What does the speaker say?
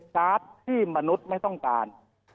ชาร์จที่มนุษย์ไม่ต้องการ